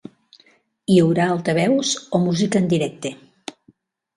Hi haurà altaveus o música en directe?